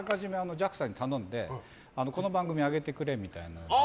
ＪＡＸＡに頼んでこの番組あげてくれみたいな。